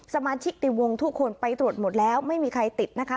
สมาชิกในวงทุกคนไปตรวจหมดแล้วไม่มีใครติดนะคะ